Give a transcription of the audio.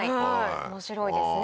面白いですね